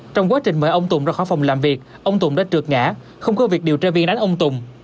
trong quá trình mời ông tùng ra khỏi phòng làm việc ông tùng đã trượt ngã không có việc điều tra viên đánh ông tùng